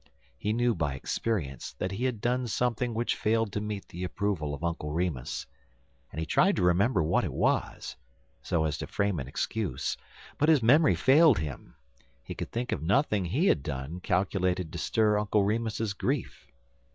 He knew by experience that he had done something which failed to meet the approval of Uncle Remus, and he tried to remember what it was, so as to frame an excuse; but his memory failed him. He could think of nothing he had done calculated to stir Uncle Remus's grief.